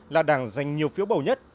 là đảng giành nhiều phiếu bầu nhất